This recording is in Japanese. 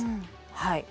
はい。